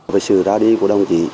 với sự ra đi của đồng chỉ